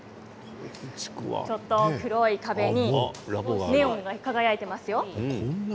ちょっと黒い壁にネオンが輝いていますよ。